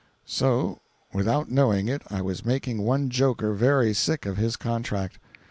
So, without knowing it, I was making one joker very sick of his contract.